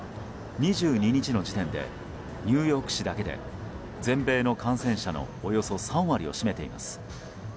２２日の時点でニューヨーク市だけで全米の感染者のおよそ３割を占めています。